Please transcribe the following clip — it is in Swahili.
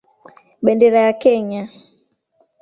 Bendera ya Kenya.